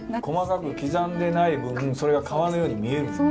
細かく刻んでない分それが皮のように見える。